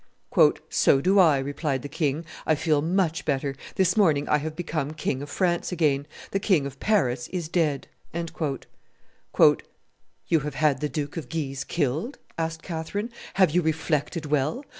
"So do I," replied the king: "I feel much better; this morning I have become King of France again; the King of Paris is dead." "You have had the Duke of Guise killed?" asked Catherine "have you reflected well?